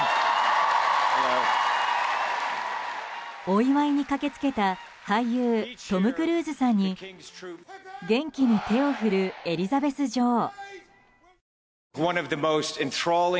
お祝いに駆け付けた俳優トム・クルーズさんに元気に手を振るエリザベス女王。